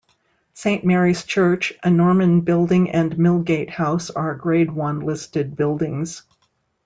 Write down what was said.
Saint Mary's church, a Norman building and Milgate House are Grade One listed buildings.